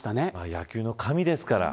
野球の神ですから。